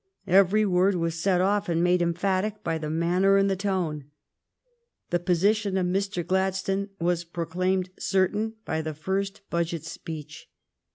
Every word was set off and made emphatic by the manner and the tone. The position of Mr. Gladstone was proclaimed certain by the first budget speech.